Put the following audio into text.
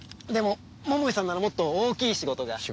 でも桃井さんならもっと大きい仕事が。